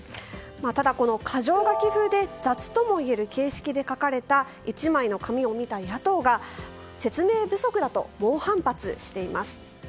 ただ、箇条書き風で雑ともいえる形式で書かれた１枚の紙を見た野党が説明不足だと猛反発しています。